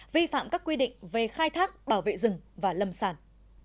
vi phạm các quy định về khai thác bảo vệ rừng và lâm sản